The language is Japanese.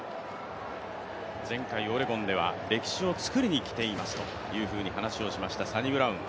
前回オレゴンでは歴史を作りに来ていると話していました、サニブラウン。